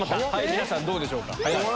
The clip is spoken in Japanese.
皆さんどうでしょうか。